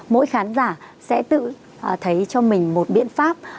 mỗi khán giả sẽ tự thấy cho mình một biện pháp